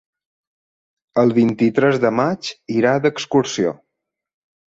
El vint-i-tres de maig irà d'excursió.